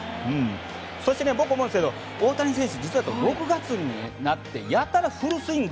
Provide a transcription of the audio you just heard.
そして、僕思うんですが大谷選手６月になってやたらフルスイング。